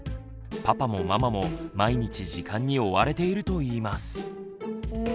パパもママも毎日時間に追われているといいます。